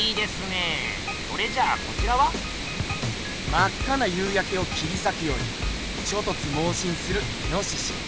まっかな夕やけを切りさくようにちょとつもうしんするいのしし。